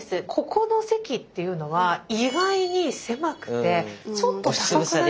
ここの席っていうのは意外に狭くてちょっと高くなりませんか？